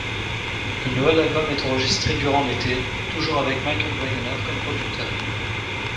Le nouvel album est enregistré durant l'été, toujours avec Michael Wagener comme producteur.